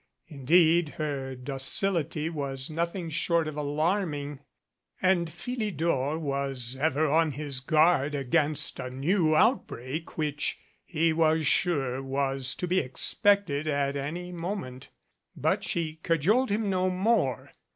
Indeed, her docility was nothing short of alarm ing, and Philidor was ever on his guard against a new outbreak which, he was sure, was to be expected at any moment. But she cajoled him no more.